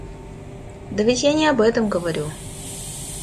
Да ведь я не об этом говорю